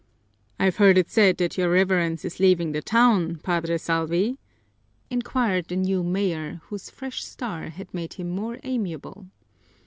"I've heard it said that your Reverence is leaving the town, Padre Salvi?" inquired the new major, whose fresh star had made him more amiable.